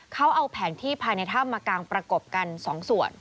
เขาเอาแผนที่ภายในถ้ำมากางประกบกัน๒ส่วน